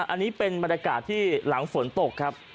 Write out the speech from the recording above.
อันนี้เป็นบรรยากาศที่หลังฝนตกครับ